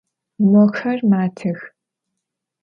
Moxer matex.